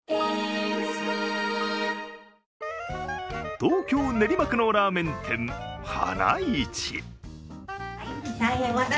東京・練馬区のラーメン店、はないち。